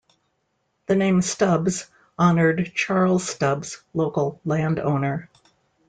The name Stubbs honored Charles Stubbs, local landowner.